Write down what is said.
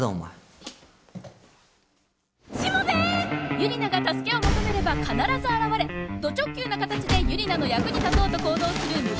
ユリナが助けを求めれば必ず現れド直球な形でユリナの役に立とうと行動する無言のオッサンしもべえ。